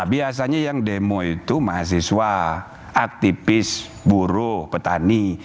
biasanya yang demo itu mahasiswa aktivis buruh petani